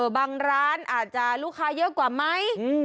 บางร้านอาจจะลูกค้าเยอะกว่าไหม